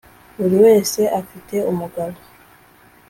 buri wese afite, umugabo